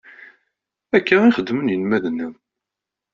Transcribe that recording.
Akka i xeddmen yinelmaden-nniḍen.